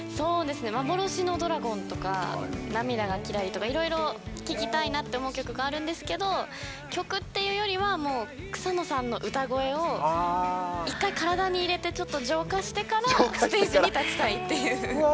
「幻のドラゴン」とか「涙がキラリ☆」とかいろいろ聴きたいなって曲があるんですけど曲っていうよりは草野さんの歌声を一回、体に入れてちょっと浄化してからステージ立ちたいっていう。